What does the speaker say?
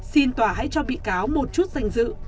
xin tòa hãy cho bị cáo một chút danh dự